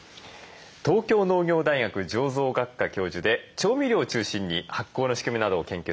東京農業大学醸造学科教授で調味料を中心に発酵の仕組みなどを研究されています